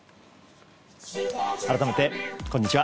改めて、こんにちは。